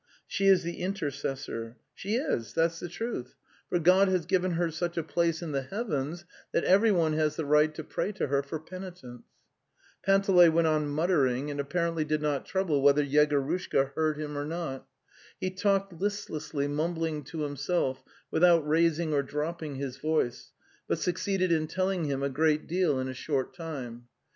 She is the intercessor. She is, that's the 220 The Tales of Chekhov truth. ... For God has given her such a place in the heavens that everyone has the right to pray to her for penitence." Panteley went on muttering, and apparently did not trouble whether Yegorushka heard him or not. He talked listlessly, mumbling to himself, without raising or dropping his voice, but succeeded in telling him a great deal in a short time.